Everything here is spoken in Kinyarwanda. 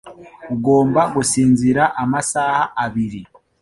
Ugomba gusinzira amasaha abiri.